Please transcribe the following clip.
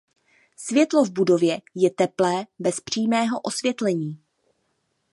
Světlo v budově je teplé bez přímého osvětlení.